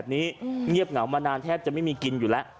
เงียบเหงามานานแทบจะไม่มีกินอยู่แล้ว